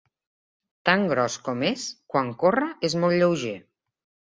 Tan gros com és, quan corre és molt lleuger.